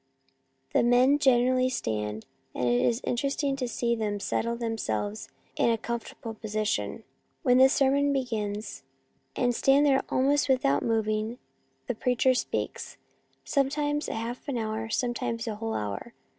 The men generally stand, and it is interest ing to see them settle themselves in a com fortable position when the sermon begins, and stand there almost without moving while the preacher speaks, sometimes a half hour, some times a whole hour.